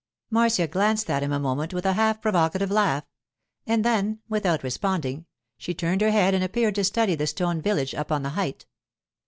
Marcia glanced at him a moment with a half provocative laugh; and then, without responding, she turned her head and appeared to study the stone village up on the height.